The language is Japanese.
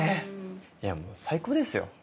いやもう最高ですよ！